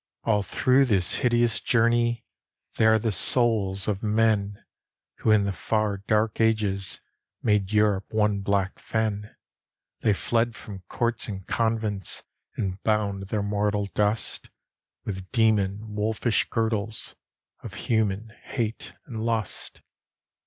All through this hideous journey, They are the souls of men Who in the far dark ages Made Europe one black fen. They fled from courts and convents, And bound their mortal dust With demon wolfish girdles Of human hate and lust.